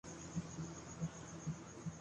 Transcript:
میرے صبر کا امتحان مت لو تم برا کیوں مناتے ہو